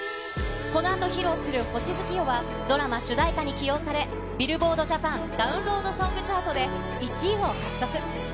このあと披露する星月夜は、ドラマ主題歌に起用され、ビルボードジャパンダウンロード・ソング・チャートで１位を獲得。